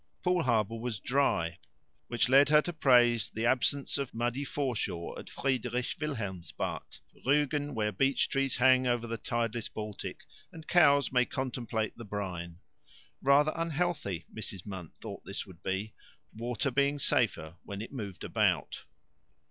Poole Harbour was dry, which led her to praise the absence of muddy foreshore at Friedrich Wilhelms Bad, Rugen, where beech trees hang over the tideless Baltic, and cows may contemplate the brine. Rather unhealthy Mrs. Munt thought this would be, water being safer when it moved about.